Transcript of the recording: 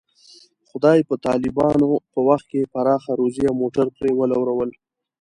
خدای په طالبانو په وخت کې پراخه روزي او موټر پرې ولورول.